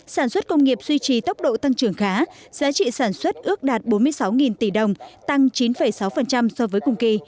sản xuất công nghiệp duy trì tốc độ tăng trưởng khá giá trị sản xuất ước đạt bốn mươi sáu tỷ đồng tăng chín sáu so với cùng kỳ